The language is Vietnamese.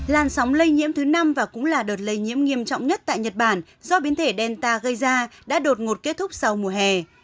làn sóng lây nhiễm thứ năm và cũng là đợt lây nhiễm nghiêm trọng nhất tại nhật bản do biến thể delta gây ra đã đột ngột kết thúc sau mùa hè